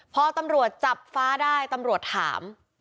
พอตำรวจจับฟ้าได้ตำรวจถาม